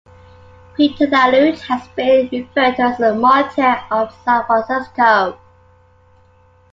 Peter the Aleut has been referred to as a "martyr of San Francisco".